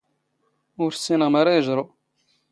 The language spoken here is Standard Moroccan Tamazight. ⵓⵔ ⵙⵙⵉⵏⵖ ⵎⴰ ⵔⴰⴷ ⵉⵊⵕⵓ.